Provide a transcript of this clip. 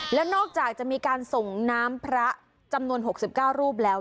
และนอกจากจะมีการส่งน้ำพระจำนวน๖๙รูปแล้ว